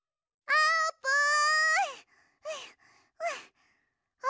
あーぷん！